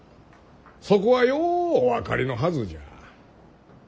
そこはようお分かりのはずじゃ。